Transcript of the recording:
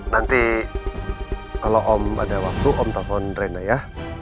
nanti kalau om ada waktu om telepon rena ya